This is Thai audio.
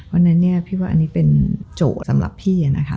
เพราะฉะนั้นพี่คิดว่าอันนี้เป็นโจทย์สำหรับพี่อะนะค่ะ